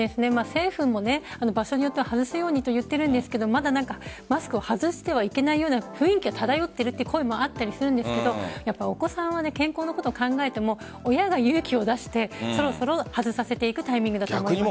政府も場所によっては外すようにと言っているんですがまだマスクを外してはいけないような雰囲気が漂っているという声もあったりするんですがお子さんは健康のことを考えても親が勇気を出してそろそろ外させていくタイミングだと思います。